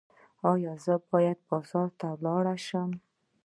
ایا زه باید بازار ته لاړ شم؟